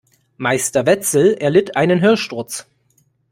Meister Wetzel erlitt einen Hörsturz.